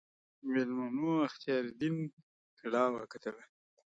میلمنو اختیاردین کلا وکتله.